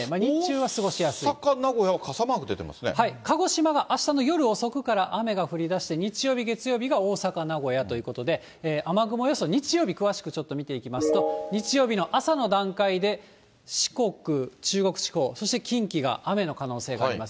はい、鹿児島があしたの夜遅くから雨が降りだして、日曜日、月曜日が大阪、名古屋ということで、雨雲予想、日曜日詳しくちょっと見ていきますと、日曜日の朝の段階で、四国、中国地方、そして近畿が雨の可能性があります。